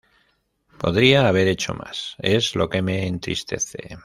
Podría haber hecho más, es lo que me entristece.